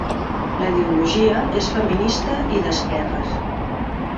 La ideologia és feminista i d'esquerres.